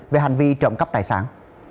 về hành vi trộm cắp tài sản